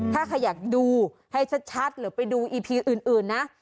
ถ้าใครอยากดูให้ชัดหรือไปดูอีพีอื่นนะ